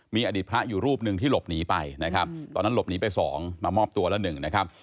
มีอดีตพระอยู่รูปหนึ่งที่หลบหนีไปนะครับตอนนั้นหลบหนีไป๒มามอบตัวแล้ว๑นะครับ